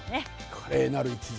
「華麗なる一族」。